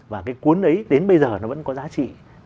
và cái cuốn ấy đến bây giờ nó vẫn có giá trị